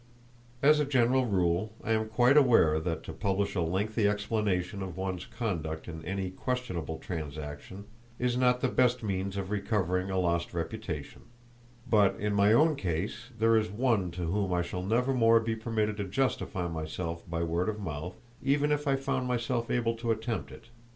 As a general rule, I am quite aware that to publish a lengthy explanation of one's conduct in any questionable transaction is not the best means of recovering a lost reputation; but in my own case there is one to whom I shall nevermore be permitted to justify by word of mouth—even if I found myself able to attempt it.